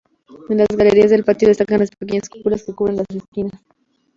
En las galerías del patio destacan las pequeñas cúpulas que cubren las esquinas.